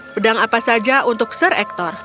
pedang apa saja untuk ser ektor